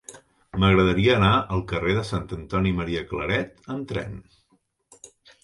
M'agradaria anar al carrer de Sant Antoni Maria Claret amb tren.